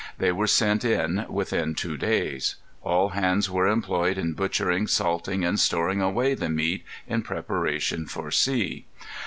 They were sent in within two days. All hands were employed in butchering, salting, and storing away the meat in preparation for sea.